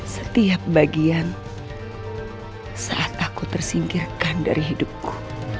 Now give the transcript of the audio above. setiap bagian saat aku tersingkirkan dari hidupku